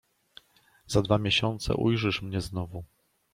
"Za dwa miesiące ujrzysz mnie znowu."